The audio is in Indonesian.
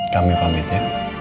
kami pamit ya